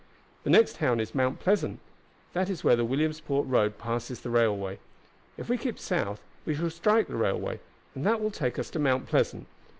"The next town is Mount Pleasant; that is where the Williamsport road passes the railway. If we keep south we shall strike the railway, and that will take us to Mount Pleasant.